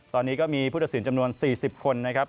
ตอนนี้ก็มีภูตศิลป์จำนวน๔๐คนนะครับ